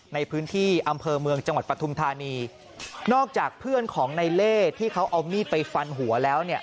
ในพื้นที่อำเภอเมืองจังหวัดปฐุมธานีนอกจากเพื่อนของในเล่ที่เขาเอามีดไปฟันหัวแล้วเนี่ย